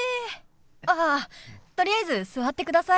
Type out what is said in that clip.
あっとりあえず座ってください。